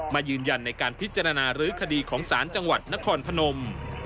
มายืนยันในการพิจารณารื้อคดีของศาลจังหวัดนครพนม